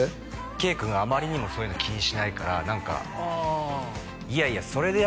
圭君があまりにもそういうの気にしないから何か「いやいやそれでやっぱ」